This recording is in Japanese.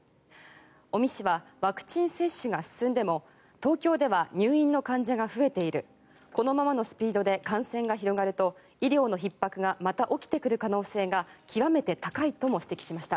尾身氏はワクチン接種が進んでも東京では入院の患者が増えているこのままのスピードで感染が広がると医療のひっ迫がまた起きてくる可能性が極めて高いとも指摘しました。